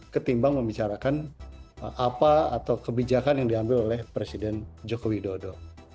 ketimbang membicarakan apa atau kebijakan yang diambil oleh presiden joko widodo